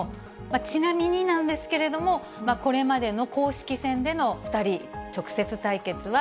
ちなみになんですけれども、これまでの公式戦での２人、直接対決は、